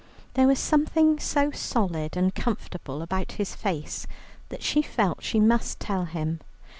There was something so solid and comfortable about his face that she felt she must tell him.